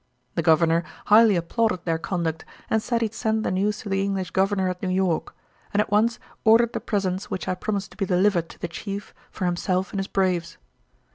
The governor highly applauded their conduct and said he'd send the news to the English governor at New York, and at once ordered the presents which I promised to be delivered to the chief for himself and his braves.